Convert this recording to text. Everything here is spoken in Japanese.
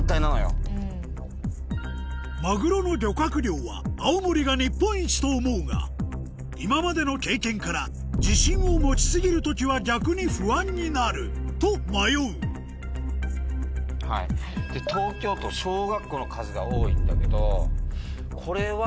マグロの漁獲量は青森が日本一と思うが今までの経験から自信を持ち過ぎる時は逆に不安になると迷う東京都小学校の数が多いんだけどこれは。